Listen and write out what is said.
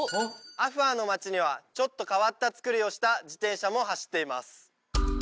アフアーの街にはちょっと変わった作りをした自転車も走っています